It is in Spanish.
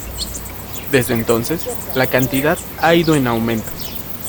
Desde entonces, la cantidad ha ido en aumento.